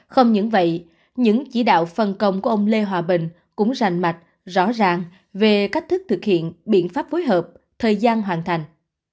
không những vậy những chỉ đạo phân công của ông lê hòa bình cũng rành mạch rõ ràng về cách thức thực hiện biện pháp phối hợp thời gian hoàn thành